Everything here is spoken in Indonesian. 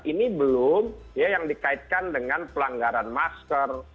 ini belum yang dikaitkan dengan pelanggaran masker